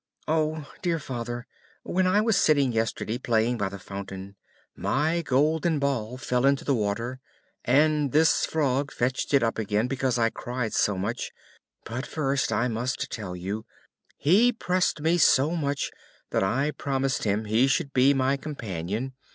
"Oh, dear father, when I was sitting yesterday playing by the fountain, my golden ball fell into the water, and this Frog fetched it up again because I cried so much: but first, I must tell you, he pressed me so much, that I promised him he should be my companion.